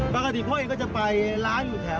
ปกติพ่อเองก็จะไปร้านอยู่แถว